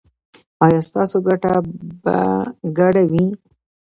ایا ستاسو ګټه به ګډه وي؟